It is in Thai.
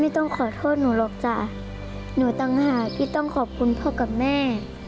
ต้องขอโทษหนูหรอกจ้ะหนูต่างหากิตต้องขอบคุณพ่อกับแม่